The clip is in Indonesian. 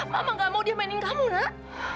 mama gak mau dia mainin kamu nak